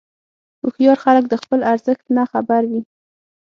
هوښیار خلک د خپل ارزښت نه خبر وي.